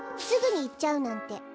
すぐにいっちゃうなんて。